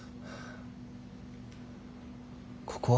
ここは？